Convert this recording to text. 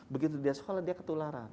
begitu dia sekolah dia ketularan